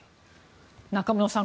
中室さん